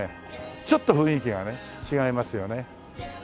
ちょっと雰囲気がね違いますよね。